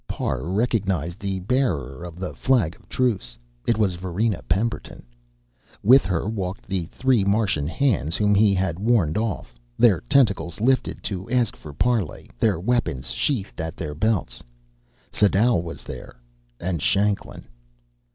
Parr recognized the bearer of the flag of truce it was Varina Pemberton. With her walked the three Martian hands whom he had warned off, their tentacles lifted to ask for parley, their weapons sheathed at their belts. Sadau was there, and Shanklin.